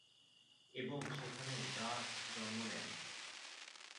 এবং সেখানে গাছ জন্ম নেয়।